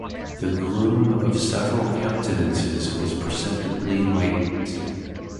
The gloom of several countenances was perceptibly lightened.